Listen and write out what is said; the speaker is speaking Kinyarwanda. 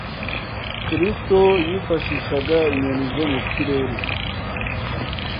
Kristo yifashishaga inyoni zo mu kirere